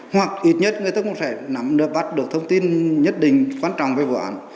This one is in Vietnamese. hoặc ít nhất người ta cũng sẽ nắm được bắt được thông tin nhất định quan trọng về vụ án